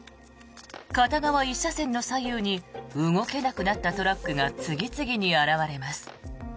片側１車線の左右に動けなくなったトラックが次々に現れます。